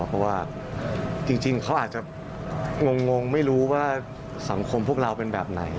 เพราะว่าจริงเขาอาจจะงงไม่รู้ว่าสังคมพวกเราเป็นแบบไหน